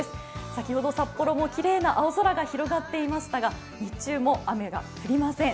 先ほど札幌もきれいな青空が広がっていましたが、日中も雨が降りません。